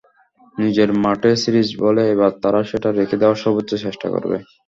নিজের মাঠে সিরিজ বলে এবার তারা সেটা রেখে দেওয়ার সর্বোচ্চ চেষ্টাই করবে।